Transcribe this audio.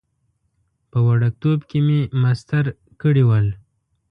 په وړکتوب کې مې مسطر کړي ول.